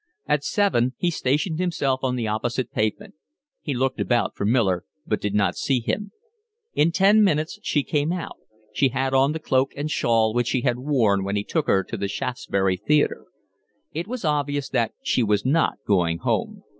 At seven he stationed himself on the opposite pavement. He looked about for Miller, but did not see him. In ten minutes she came out, she had on the cloak and shawl which she had worn when he took her to the Shaftesbury Theatre. It was obvious that she was not going home.